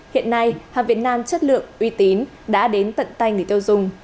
hiện nay hàng việt nam chất lượng uy tín đã đến tận tay người tiêu dùng